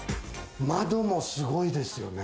窓もすごいですよね。